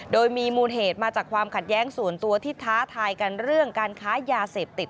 โดยมีมูลเหตุมาจากความขัดแย้งส่วนตัวที่ท้าทายกันเรื่องการค้ายาเสพติด